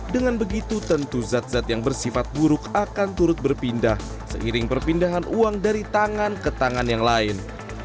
dengan begitu tentu zat zat yang bersifat buruk akan turut berpindah seiring perpindahan uang dari tangan ke tangan yang lain